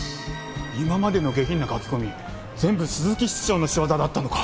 今までの下品な書き込み全部鈴木室長の仕業だったのか。